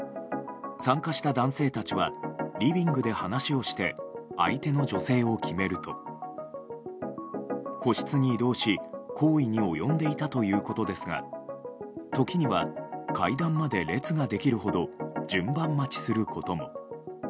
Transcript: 参加した男性たちはリビングで話をして相手の女性を決めると個室に移動し行為に及んでいたということですが時には、階段まで列ができるほど順番待ちすることも。